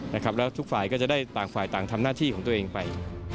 แล้วทุกฝ่ายก็จะได้ต่างฝ่ายต่างทำหน้าที่ของตัวเองไป